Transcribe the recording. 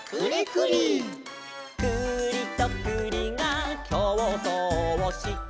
「くりとくりがきょうそうをして」